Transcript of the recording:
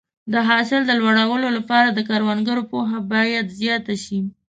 د حاصل د لوړوالي لپاره د کروندګرو پوهه باید زیاته شي.